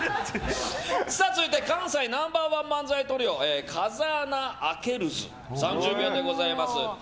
続いては関西ナンバー１漫才トリオ風穴あけるズ３０秒でございます。